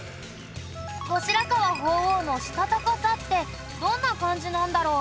後白河法皇のしたたかさってどんな感じなんだろう？